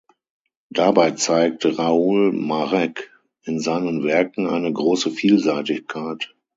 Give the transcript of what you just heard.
Dabei zeigt Raoul Marek in seinen Werken eine grosse Vielseitigkeit.